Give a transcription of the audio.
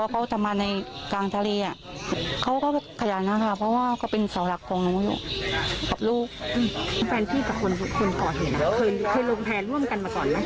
แฟนพี่กับคนต่อเหตุคือลงแผนร่วมกันมาก่อนไหม